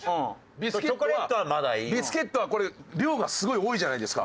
ビスケットはこれ量がすごい多いじゃないですか。